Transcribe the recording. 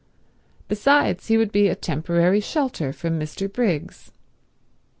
Besides, he would be a temporary shelter from Mr. Briggs.